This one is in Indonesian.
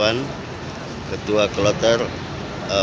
assalamualaikum warahmatullahi wabarakatuh